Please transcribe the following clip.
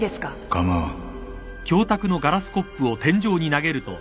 構わん